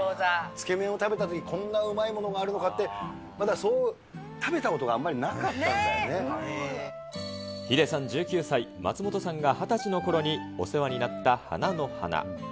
つけ麺を食べたとき、こんなうまいものがあるのかって、まだそう、食べたことがあんまりヒデさん１９歳、松本さんが２０歳のころにお世話になった花の華。